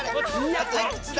あといくつだ？